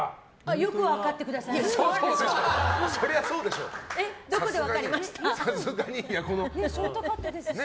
よく分かってくださいますね。